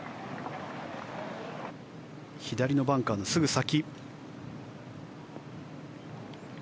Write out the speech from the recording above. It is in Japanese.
左のバンカーのすぐ先。